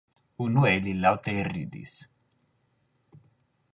Unue, li laŭte ridis.